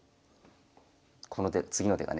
この手次の手がね。